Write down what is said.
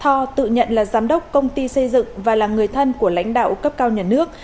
thor tự nhận là giám đốc công ty xây dựng và là người thân của lãnh đạo cấp cao nhà nước